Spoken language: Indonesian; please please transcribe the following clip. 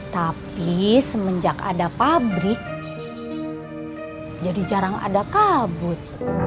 tapi semenjak ada pabrik jadi jarang ada kabut